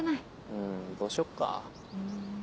うんどうしよっか？